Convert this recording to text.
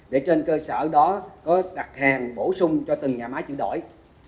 để trên cơ sở đó có đặt hàng bổ sung cho từng nhà máy chuyển đổi